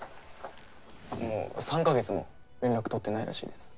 もう３か月も連絡取ってないらしいです。